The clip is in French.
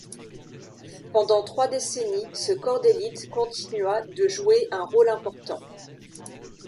Pendant trois décennies, ce corps d'élite continua de jouer un rôle important.